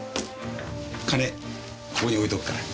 ここに置いとくから。